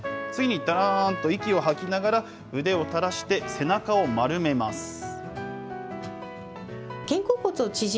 次にだらーんと息を吐きながら、腕を垂らして、背中を丸めます。